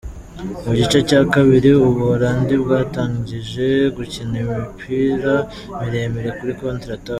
Mu gice cya kabiri, u Buholandi bwatangiye gukina imipira miremire kuri Contre attaque.